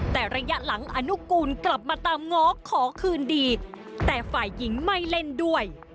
แต่ระยะหลังอนุกูลกลับมาตามง้อขอคืนดีแต่ฝ่ายหญิงไม่เล่นด้วย